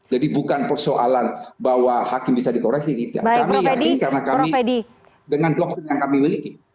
jadi bukan persoalan bahwa hakim bisa dikoreksi kami yakin karena kami dengan doktrin yang kami miliki